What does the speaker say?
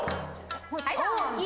はい。